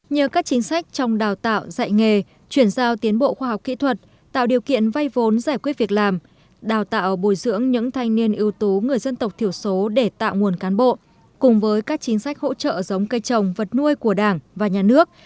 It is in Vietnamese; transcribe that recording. nhờ các chính sách trong đào tạo dạy nghề chuyển giao tiến bộ khoa học kỹ thuật tạo điều kiện vay vốn giải quyết việc làm đào tạo bồi dưỡng những thanh niên ưu tú người dân tộc thiểu số để tạo nguồn cán bộ cùng với các chính sách hỗ trợ giống cây trồng vật nuôi của đảng và nhà nước